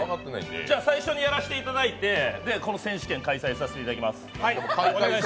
では、最初にやらせていただいて、この選手権開催させていただきます。